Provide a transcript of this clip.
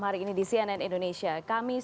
hari ini di cnn indonesia kamis